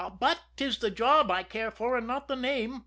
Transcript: But 'tis the job I care for and not the name.